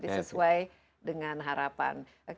sesuai dengan harapan